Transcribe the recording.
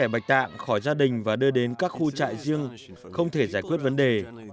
bạch tạng khỏi gia đình và đưa đến các khu trại riêng không thể giải quyết vấn đề